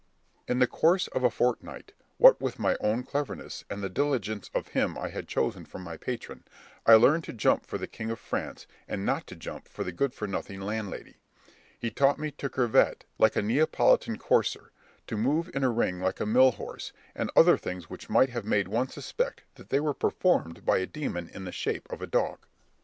In the course of a fortnight, what with my own cleverness, and the diligence of him I had chosen for my patron, I learned to jump for the king of France, and not to jump for the good for nothing landlady; he taught me to curvet like a Neapolitan courser, to move in a ring like a mill horse, and other things which might have made one suspect that they were performed by a demon in the shape of a dog.